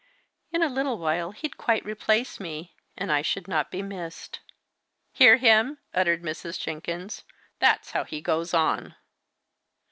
In a little while he'd quite replace me, and I should not be missed." "Hear him!" uttered Mrs. Jenkins. "That's how he goes on!"